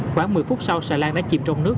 khoảng một mươi phút sau xà lan đã chìm trong nước